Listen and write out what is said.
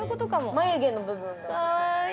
眉毛の部分が。